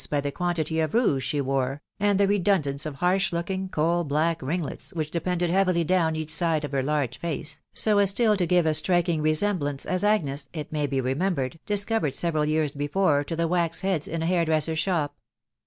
toy the quantity of aouge she wore, and the ■redundance of barsh laolting, oo*14>bck ringlets which de pended heavily down each side of her large face, no aa^tttl'to give a striking resemblance, as Agnes, it may be remembered, discovered several years before, to the wax heads in a hair dresser's shop.